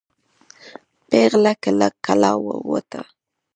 پیغله له کلا ووته.